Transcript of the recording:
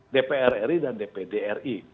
dpr ri dan dpd ri